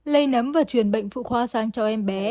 lây nấm và truyền bệnh phụ khoa sang cho em bé